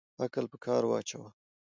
عقل په کار واچوه